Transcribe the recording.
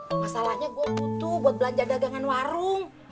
masalahnya gue butuh buat belanja dagangan warung